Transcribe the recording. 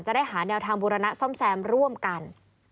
จะได้หาแนวทางบูรณะซ่อมแซมร่วมกัน